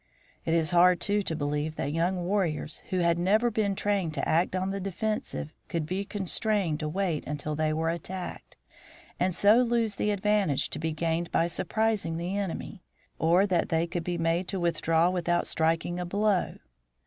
It is hard, too, to believe that young warriors who had never been trained to act on the defensive could be constrained to wait until they were attacked, and so lose the advantage to be gained by surprising the enemy, or that they could be made to withdraw without striking a blow.